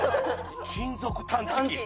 「金属探知機」